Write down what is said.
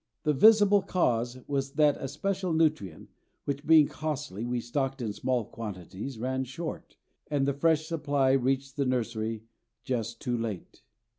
The visible cause was that a special nutrient, which, being costly, we stocked in small quantities, ran short, and the fresh supply reached the nursery just too late.